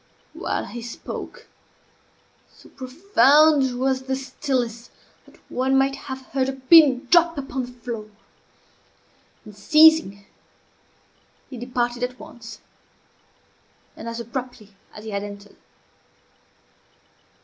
While he spoke, so profound was the stillness that one might have heard a pin drop upon the floor. In ceasing, he departed at once, and as abruptly as he had entered.